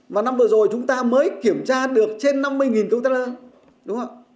và năm vừa rồi chúng ta mới kiểm tra được trên năm mươi container